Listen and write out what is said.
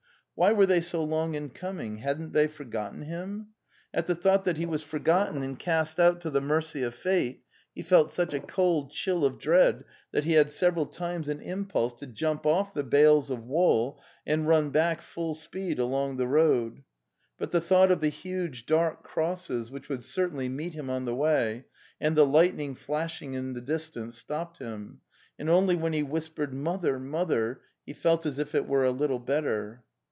Why were they so long in coming? Hiadn't they forgotten him? At the thought that he was forgotten and cast out to the mercy of fate, he felt such a cold chill of dread that he had several times an impulse to jump off the bales of wool, and run back full speed along the road; but the thought of the huge dark crosses, which would certainly meet him on the way, and the lightning flashing in the distance, stopped him. ... And only when he whispered, '' Mother, mother!' he felt as it were a little better.